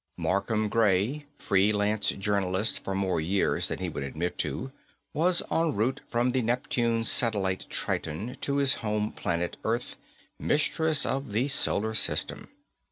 Markham Gray, free lance journalist for more years than he would admit to, was en route from the Neptune satellite Triton to his home planet, Earth, mistress of the Solar System.